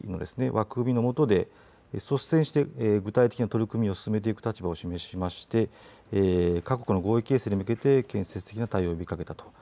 枠組みのもとで率先して具体的な取り組みを進めていく立場を示しまして各国の合意形成に向けて建設的な対応を呼びかけた。